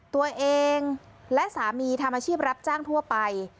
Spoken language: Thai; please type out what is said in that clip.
ตัวเองและสามีทำอาชีพรับจ้างทั่วไป